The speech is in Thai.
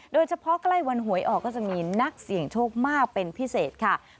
โดยเฉพาะใกล้วันหวยออกก็จะมีนักเสี่ยงโชคมากเป็นพิเศษค่ะ